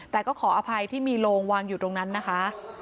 แต่ก็ขออภัยที่มีโลงวางอยู่ตรงนั้นนะคะ